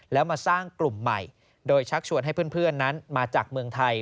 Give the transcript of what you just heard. แล้วมาสร้างกลุ่มใหม่โดยชักชวนให้เพื่อนนั้นมาจากเมืองไทย